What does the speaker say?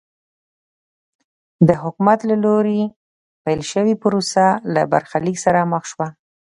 د حکومت له لوري پیل شوې پروسه له برخلیک سره مخ شوه.